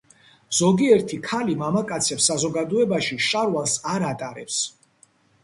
ზოგიერთი ქალი მამაკაცებს საზოგადოებაში შარვალს არ ატარებს.